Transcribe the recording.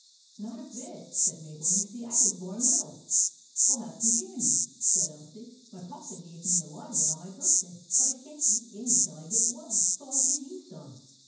" Not a bit," said Mabel. " You see / was born little." "Well, have some candy," said Elsie. " My Papa gave me a lot of it on my birth day ; but I can't eat any till I get well, so I '11 give you some."